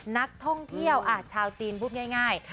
นักท่องเที่ยวชาวจีนพูดง่าย